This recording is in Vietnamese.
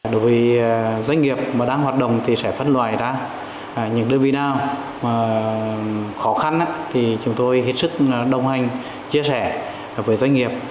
đối với doanh nghiệp mà đang hoạt động thì sẽ phân loại ra những đơn vị nào khó khăn thì chúng tôi hết sức đồng hành chia sẻ với doanh nghiệp